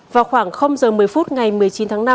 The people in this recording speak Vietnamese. vào khoảng giờ một mươi phút ngày một mươi chín tháng năm